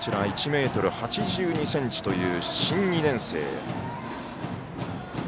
１ｍ８２ｃｍという新２年生。